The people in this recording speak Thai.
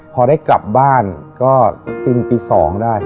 พอได้กลับบ้านก็ตีนตี๒ได้